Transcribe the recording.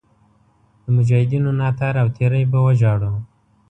د مجاهدینو ناتار او تېری به وژاړو.